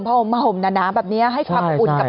ผ้าห่มมาห่มหนาแบบนี้ให้ความอุ่นกับร่างกาย